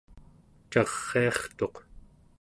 cariartuq